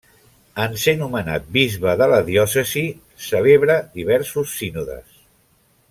En ser nomenat bisbe de la diòcesi, celebra diversos sínodes.